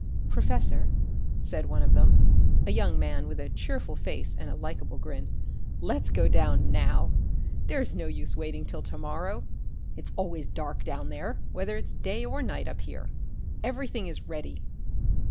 "Professor," said one of them, a young man with a cheerful face and a likable grin, "let's go down now! There's no use waiting till to morrow. It's always dark down there, whether it's day or night up here. Everything is ready."